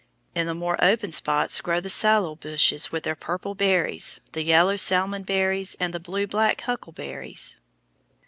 In the more open spots grow the salal bushes with their purple berries, the yellow salmon berries, and the blue black huckleberries.